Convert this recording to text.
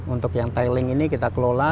untuk yang tiling ini kita kelola